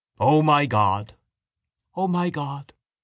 _ —O my God!— —O my God!